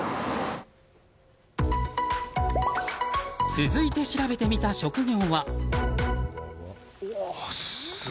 続いて調べてみた職業は。